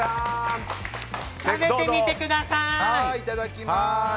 いただきます。